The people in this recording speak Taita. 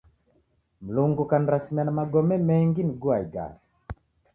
Mlungu kanirasimia na magome mengi nigua igare.